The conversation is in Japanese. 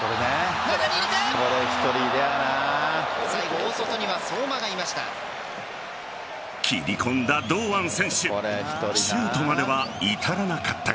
中に入れて最後、大外には相馬がいました。